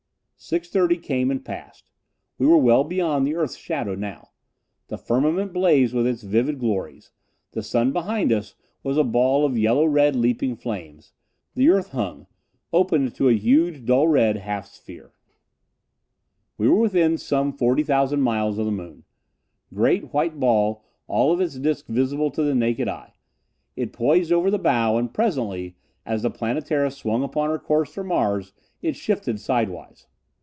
Six thirty came and passed. We were well beyond the earth's shadow now. The firmament blazed with its vivid glories; the sun behind us was a ball of yellow red leaping flames. The earth hung, opened to a huge, dull red half sphere. We were within some forty thousand miles of the moon. Giant white ball all of its disc visible to the naked eye. It poised over the bow, and presently, as the Planetara swung upon her course for Mars, it shifted sidewise.